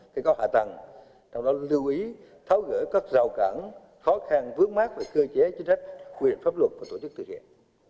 để có hạ tầng trong đó lưu ý tháo gỡ các rào cản khó khăn vướng mát về cơ chế chính sách quy định pháp luật và tổ chức tự nhiệm